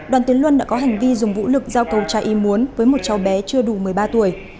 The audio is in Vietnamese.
đoàn tiến luân đã có hành vi dùng vũ lực giao cầu tra y muốn với một cháu bé chưa đủ một mươi ba tuổi